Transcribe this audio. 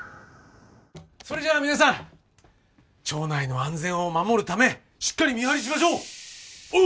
それじゃあ皆さん町内の安全を守るためしっかり見張りしましょう！